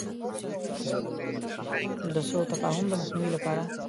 د سو تفاهم د مخنیوي لپاره.